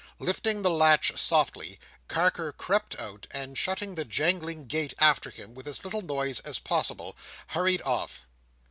Lifting the latch softly, Carker crept out, and shutting the jangling gate after him with as little noise as possible, hurried off.